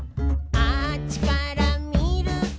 「あっちからみると」